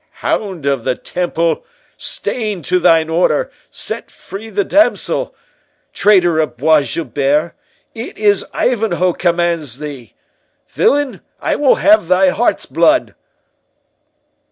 "Hound of the Temple—stain to thine Order—set free the damsel! Traitor of Bois Guilbert, it is Ivanhoe commands thee!—Villain, I will have thy heart's blood!"